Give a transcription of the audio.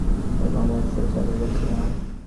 এবং তাই সেটা চালিয়েও যাচ্ছিলাম।